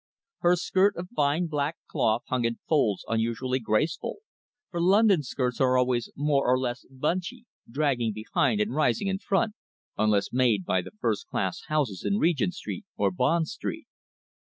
Her skirt of fine black cloth hung in folds unusually graceful, for London skirts are always more or less "bunchy," dragging behind and rising in front, unless made by the first class houses in Regent Street or Bond Street.